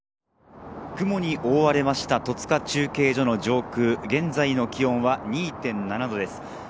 雲に覆われました戸塚中継所の上空、現在の気温は２．７度です。